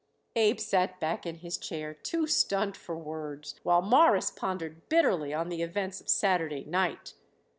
Abe sat back in his chair too stunned for words, while Morris pondered bitterly on the events of Saturday night.